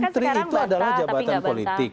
menteri itu adalah jabatan politik